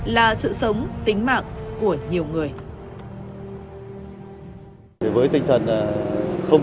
là sự sống tính mạng